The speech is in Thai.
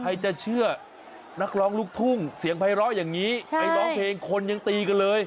ใครจะเชื่อนักร้องลูกทุ่งเสียงไพร้อย่างนี้